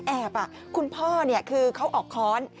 แอบอ่ะคุณพ่อเนี่ยคือเค้าออกค้อน